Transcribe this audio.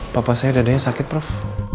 papa saya dadanya sakit prof